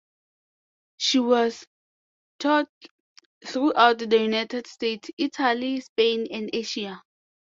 She has toured throughout the United States, Italy, Spain, and Asia.